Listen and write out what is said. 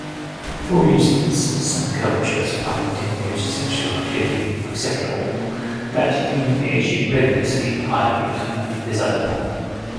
For instance, some cultures find teenage sexual activity acceptable but teenage pregnancy highly undesirable.